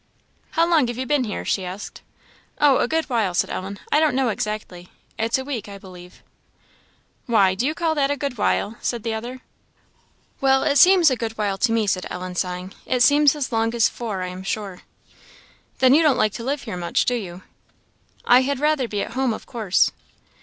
"How long have you been here?" she asked. "Oh, a good while," said Ellen "I don't know exactly; it's a week, I believe." "Why, do you call that a good while?" said the other. "Well, it seems a good while to me," said Ellen, sighing "it seems as long as four, I am sure." "Then you don't like to live here much, do you?" "I had rather be at home, of course."